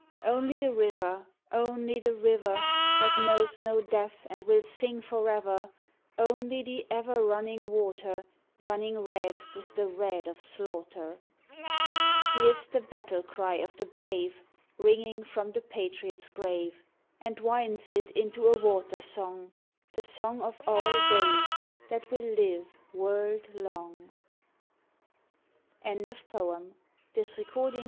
GLENMALURE 83 " Only the river, only the river That knows no death and will sing for ever ; Only the ever running water Running red with the red of slaughter " Hears the battle cry of the brave Ringing from the patriots' grave, And winds it into a water song, The song of all days that will live world long."